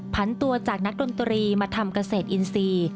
พันตัวจากนักดนตรีมาทำเกษตรอินทรีย์